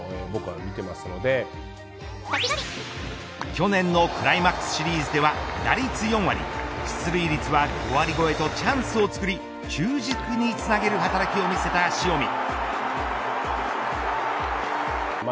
去年のクライマックスシリーズでは打率４割出塁率は５割超えとチャンスをつくり中軸につなげる働きを見せた塩見。